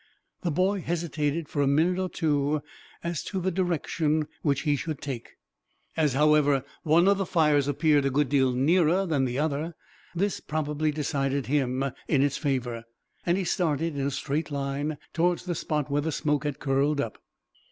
The boy hesitated, for a minute or two, as to the direction which he should take. As, however, one of the fires appeared a good deal nearer than the other, this probably decided him in its favor; and he started, in a straight line, towards the spot where the smoke had curled up.